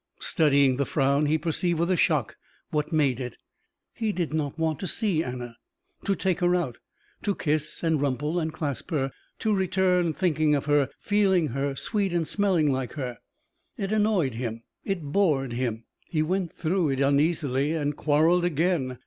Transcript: Studying the frown, he perceived with a shock what made it. He did not want to see Anna, to take her out, to kiss and rumple and clasp her, to return thinking of her, feeling her, sweet and smelling like her. It annoyed him. It bored him. He went through it uneasily and quarrelled again.